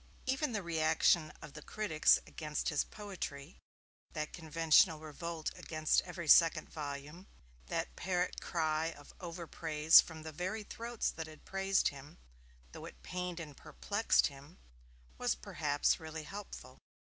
Even the reaction of the critics against his poetry, that conventional revolt against every second volume, that parrot cry of over praise from the very throats that had praised him, though it pained and perplexed him, was perhaps really helpful.